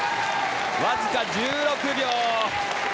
わずか１６秒！